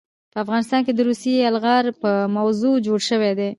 په افغانستان د روسي يلغار په موضوع جوړ شوے دے